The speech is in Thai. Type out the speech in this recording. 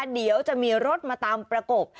เดี๋ยวจะมีรถมาตามประกบ